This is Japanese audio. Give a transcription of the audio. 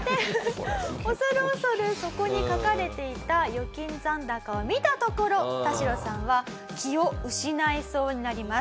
恐る恐るそこに書かれていた預金残高を見たところタシロさんは気を失いそうになります。